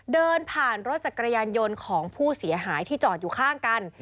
เดินผ่านรถจักรยานยนต์ของผู้เสียหายที่จอดอยู่ข้างกัน